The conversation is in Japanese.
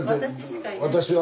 私は？